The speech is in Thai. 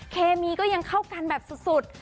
เคมีก็ยังเข้ากันแบบสุด